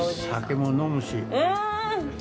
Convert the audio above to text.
酒も飲むし。